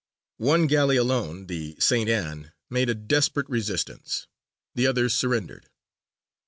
One galley alone, the St. Ann, made a desperate resistance; the others surrendered.